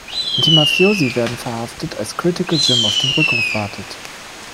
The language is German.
Die Mafiosi werden verhaftet, als Critical Jim auf den Rückruf wartet.